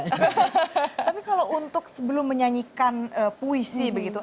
tapi kalau untuk sebelum menyanyikan puisi begitu